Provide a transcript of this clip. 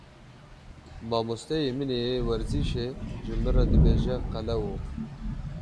Mamosteyê min ê werzîşê ji min re dibêje qelewo.